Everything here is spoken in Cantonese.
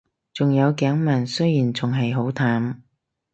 仲有頸紋，雖然仲係好淡